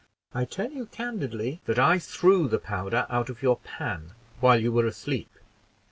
I tell you candidly, that I threw the powder out of your pan while you were asleep.